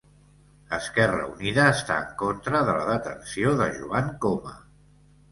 Esquerra Unida està en contra de la detenció de Joan Coma